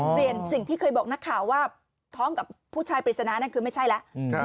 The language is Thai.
สิ่งที่เคยบอกนักข่าวว่าท้องกับผู้ชายปริศนานั่นคือไม่ใช่แล้ว